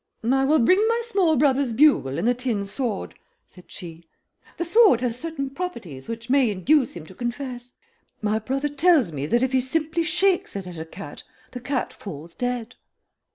"I will bring my small brother's bugle and the tin sword," said she. "The sword has certain properties which may induce him to confess. My brother tells me that if he simply shakes it at a cat the cat falls dead."